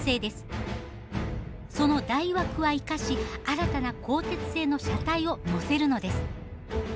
その台枠は生かし新たな鋼鉄製の車体を載せるのです。